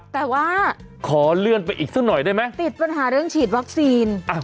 แต่ว่าติดปัญหาเรื่องฉีดวัคซีนขอเลื่อนไปอีกซักหน่อยได้ไหม